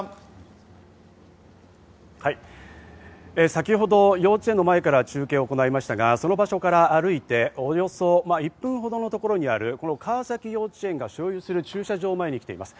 先ほど幼稚園の前から中継を行いましたが、その場所から歩いておよそ１分ほどのところにある川崎幼稚園が所有する駐車場前に来ています。